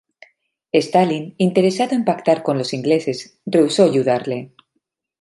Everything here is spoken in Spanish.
Stalin, interesado en pactar con los ingleses, rehusó ayudarle.